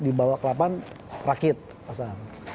dibawa ke lapangan rakit pasang